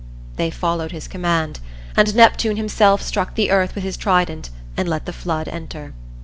They followed his command, and Neptune himself struck the earth with his trident and let the flood enter.